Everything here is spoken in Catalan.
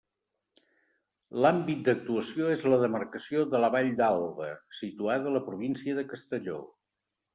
L'àmbit d'actuació és la demarcació de la Vall d'Alba, situada a la província de Castelló.